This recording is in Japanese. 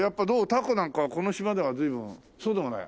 たこなんかはこの島では随分そうでもない？